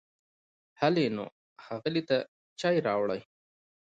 هلی نو، ښاغلي ته چای راوړئ!